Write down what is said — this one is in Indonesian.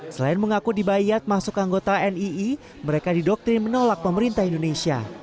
selain mengaku dibayat masuk anggota nii mereka didoktrin menolak pemerintah indonesia